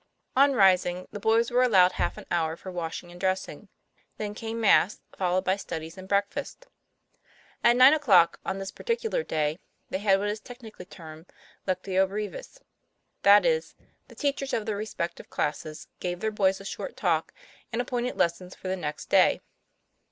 On rising, the boys were allowed half an hour for washing and dressing. Then came Mass, followed by studies and breakfast. At nine o'clock on this particular day they had what is technically termed ;' Lectio brevis "; that is, the teachers of the respective classes gave their boys a short talk, and appointed lessons for the next day.